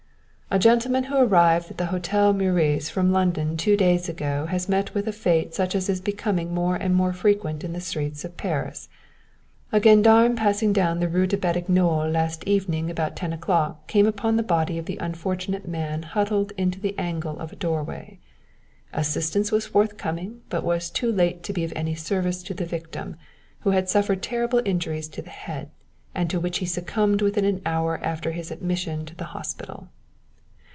"A gentleman who arrived at the Hôtel Meurice from London two days ago has met with a fate such as is becoming more and more frequent in the streets of Paris. A gendarme passing down the Rue des Batignolles last evening about ten o'clock, came upon the body of the unfortunate man huddled into an angle of a doorway. Assistance was forthcoming, but was too late to be of any service to the victim, who had suffered terrible injuries to the head, and to which he succumbed within an hour after his admission to the hospital.